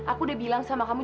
aku udah bilang sama kamu